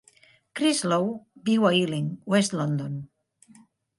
Chris Lowe viu a Ealing, West London.